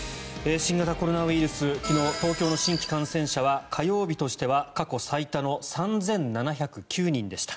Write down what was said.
新型コロナウイルス昨日、東京の新規感染者は火曜日としては過去最多の３７０９人でした。